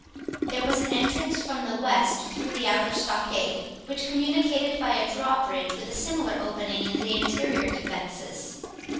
There was an entrance from the west through the outer stockade, which communicated by a drawbridge, with a similar opening in the interior defences.